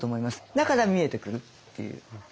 だから見えてくるっていう。